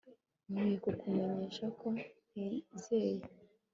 Nkwiye kukumenyesha ko ntizeye